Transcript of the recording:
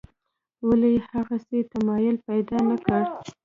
ولې یې هغسې تمایل پیدا نکړ.